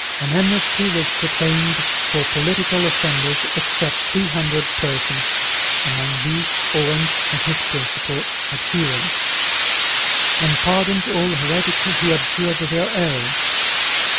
An amnesty was proclaimed for political offenders except three hundred persons (among these Orange and his principal adherents), and pardon to all heretics who abjured their errors.